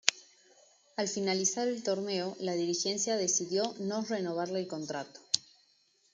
Al finalizar el torneo la dirigencia decidió no renovarle el contrato.